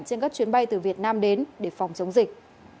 trên các chuyến bay từ việt nam đến để phòng chống dịch